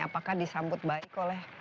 apakah disambut baik oleh